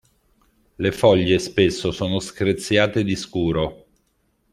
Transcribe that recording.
Le foglie spesso sono screziate di scuro.